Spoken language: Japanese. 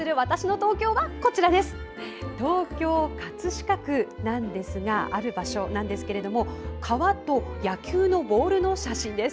東京・葛飾区なんですがある場所なんですけれども川と野球のボールの写真です。